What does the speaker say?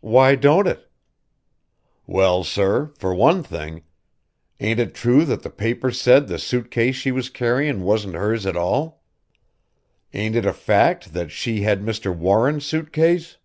"Why don't it?" "Well, sir, for one thing ain't it true that the papers said the suit case she was carryin' wasn't hers at all. Ain't it a fact that she had Mr. Warren's suit case?"